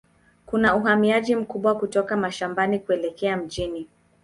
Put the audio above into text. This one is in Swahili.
Kuna uhamiaji mkubwa kutoka mashambani kuelekea mjini.